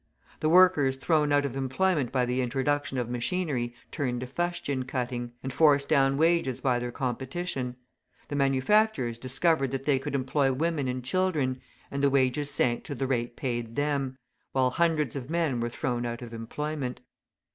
The workers thrown out of employment by the introduction of machinery turn to fustian cutting, and force down wages by their competition; the manufacturers discovered that they could employ women and children, and the wages sank to the rate paid them, while hundreds of men were thrown out of employment.